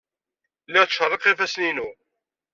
Lliɣ ttcerriqeɣ ifassen-inu.